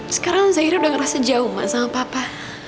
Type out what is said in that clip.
sekarang zairah udah ngerasa jauh ma sama papa